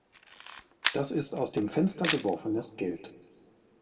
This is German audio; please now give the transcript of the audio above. Das ist aus dem Fenster geworfenes Geld.